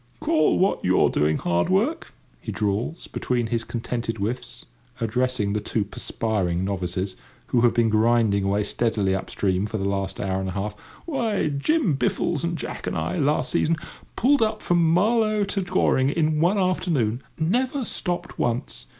"Call what you're doing hard work!" he drawls, between his contented whiffs, addressing the two perspiring novices, who have been grinding away steadily up stream for the last hour and a half; "why, Jim Biffles and Jack and I, last season, pulled up from Marlow to Goring in one afternoon—never stopped once.